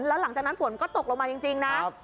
แล้วหลังจากนั้นฝนก็ตกลงมาจริงนะ